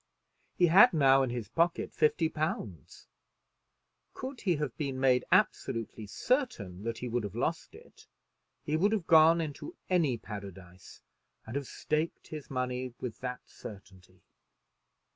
He had now in his pocket fifty pounds. Could he have been made absolutely certain that he would have lost it, he would have gone into any paradise and have staked his money with that certainty.